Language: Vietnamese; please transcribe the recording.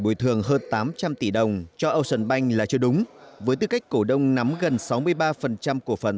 bồi thường hơn tám trăm linh tỷ đồng cho ocean bank là chưa đúng với tư cách cổ đông nắm gần sáu mươi ba cổ phần